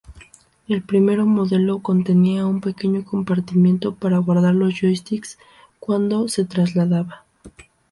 El primero modelo contenía un pequeño compartimento para guardar los joysticks cuando se trasladaba.